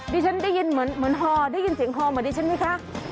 ดิฉันได้ยินเหมือนฮอได้ยินเสียงฮอเหมือนดิฉันไหมคะ